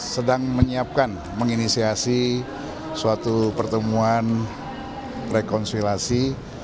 sedang menyiapkan menginisiasi suatu pertemuan rekonsilasi